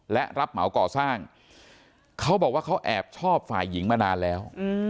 และรับเหมาก่อสร้างเขาบอกว่าเขาแอบชอบฝ่ายหญิงมานานแล้ว